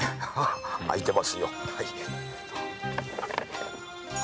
開いてますよ。